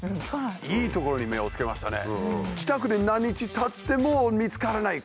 いいところに目をつけましたね。